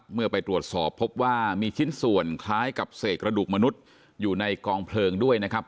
เมื่อไปตรวจสอบพบว่ามีชิ้นส่วนคล้ายกับเศษกระดูกมนุษย์อยู่ในกองเพลิงด้วยนะครับ